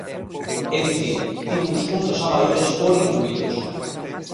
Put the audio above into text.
É dicir, tivo uns puntos a maiores por incluílos.